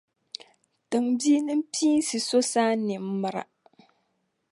Tiŋbia nimpiinsi so saan’ nimmira.